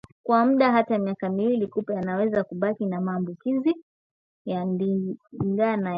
Kwa muda hata miaka miwili kupe anaweza kubaki na maambukizi ya ndigana kali